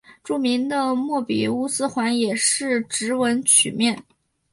著名的莫比乌斯环也是直纹曲面。